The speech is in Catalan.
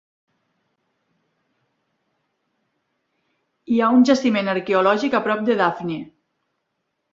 Hi ha un jaciment arqueològic a prop de Dafni.